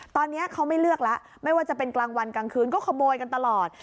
ตอนนี้เขาไม่เลือกแล้วไม่ว่าจะเป็นกลางวันกลางคืนก็ขโมยกันตลอด